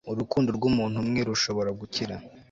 urukundo rw'umuntu umwe rushobora gukira